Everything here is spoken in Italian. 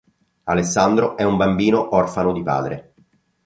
Alessandro è un bambino orfano di padre.